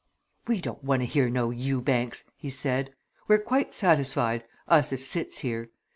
"We don't want to hear no Ewbanks!" he said. "We're quite satisfied, us as sits here.